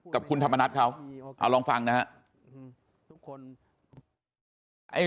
กับคุณธรรมนัฐเขาเอาลองฟังนะครับ